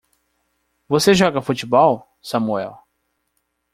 Você joga futebol, Samuel?